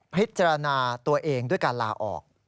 พิจารณาตัวเองด้วยการลาออก